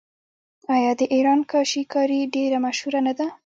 آیا د ایران کاشي کاري ډیره مشهوره نه ده؟